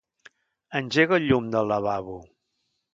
Engega el llum del lavabo.